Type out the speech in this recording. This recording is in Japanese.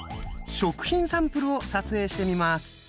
食品サンプルを撮影してみます。